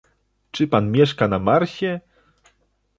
Czy pan mieszka na Marsie?